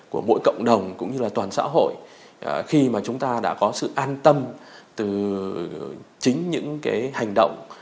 của mỗi cộng đồng cũng như là toàn xã hội khi mà chúng ta đã có sự an tâm từ chính những cái hành động